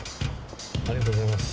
ありがとうございます。